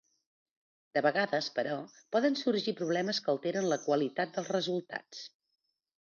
De vegades, però, poden sorgir problemes que alteren la qualitat dels resultats.